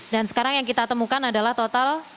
dan sekarang yang kita temukan adalah total